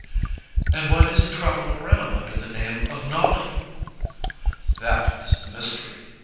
"And why does he travel around under the name of Nolly?" "That is the mystery.